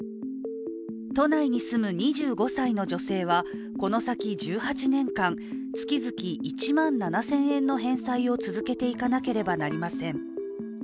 都内に住む２５歳の女性はこの先１８年間月々１万７０００円の返済を続けていかなければなりません。